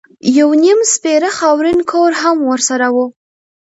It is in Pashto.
یو نیم سپېره خاورین کور هم ورسره و.